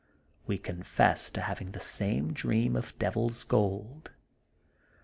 WE CONFESS TO HAVING THE SAME DREAM OF V DEyiL*S GOLD.